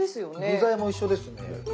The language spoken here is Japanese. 具材も一緒ですね。